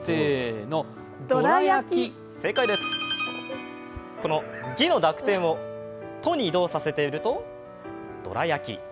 このギの濁点をトに移動させるとどら焼き。